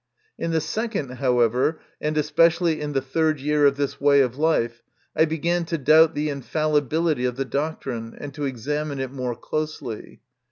In the second, however, and especially in the third year of this way of life, I began to doubt the infallibility of the doctrine, and to examine it more closely.